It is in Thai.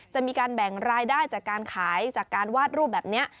จะมีการแบ่งรายได้จากการขายจากการวาดรูปแบบนี้